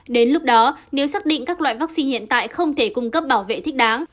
đến lúc đó nếu xác định các loại vaccine hiện tại không thể cung cấp bảo vệ thích đáng